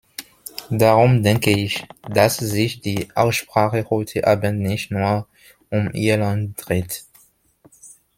Darum denke ich, dass sich die Aussprache heute Abend nicht nur um Irland dreht.